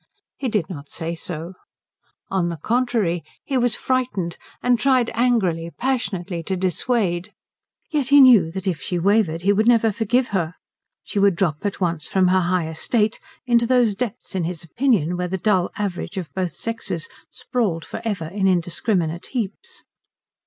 He did not say so. On the contrary, he was frightened, and tried angrily, passionately, to dissuade. Yet he knew that if she wavered he would never forgive her; she would drop at once from her high estate into those depths in his opinion where the dull average of both sexes sprawled for ever in indiscriminate heaps.